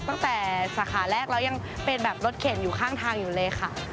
ตั้งแต่สาขาแรกแล้วยังเป็นแบบรถเข็นอยู่ข้างทางอยู่เลยค่ะ